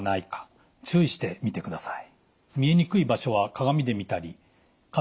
注意して見てください。